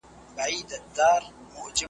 یا سېلابونه یا زلزلې دي .